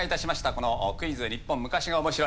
この「クイズ日本昔がおもしろい」